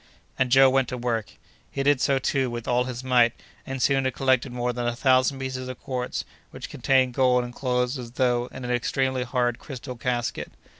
And Joe went to work. He did so, too, with all his might, and soon had collected more than a thousand pieces of quartz, which contained gold enclosed as though in an extremely hard crystal casket.